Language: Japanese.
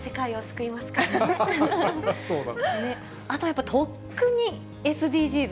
あとやっぱり、とっくにＳＤＧｓ。